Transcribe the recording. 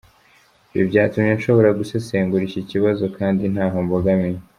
Ibi byatumye nshobora gusesengura iki kibazo kandi ntaho mbogamiye.